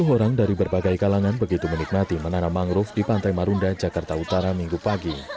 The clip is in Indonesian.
sepuluh orang dari berbagai kalangan begitu menikmati menanam mangrove di pantai marunda jakarta utara minggu pagi